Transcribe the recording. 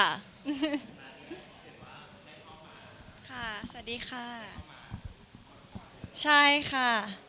ค่ะสวัสดีค่ะใช่ค่ะ